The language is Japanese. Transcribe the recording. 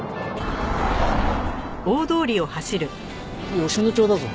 吉野町だぞ。